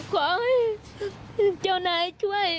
ขอให้เจ้านายช่วย